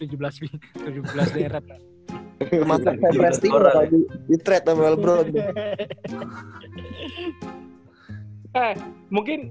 masak masak resting udah di trade sama lebron